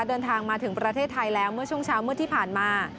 เดินทางมาถึงประเทศไทยแล้วเมื่อช่วงเช้ามืดที่ผ่านมา